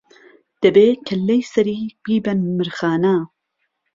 دهبێ کهللەی سەری بیبەن مرخانه